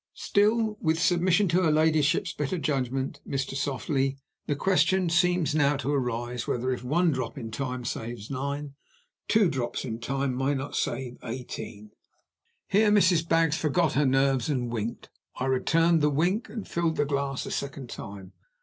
Still, with submission to her ladyship's better judgment, Mr. Softly, the question seems now to arise, whether, if one drop in time saves nine, two drops in time may not save eighteen." Here Mrs. Baggs forgot her nerves and winked. I returned the wink and filled the glass a second time.